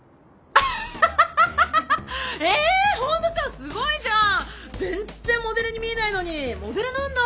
すごいじゃん。全然モデルに見えないのにモデルなんだ。